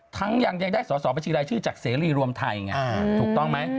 ทั้งยังยังได้สอบชื่อจากเสรีรวมไทยไงถูกต้องไหม